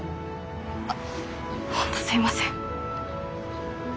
あっ本当すいません。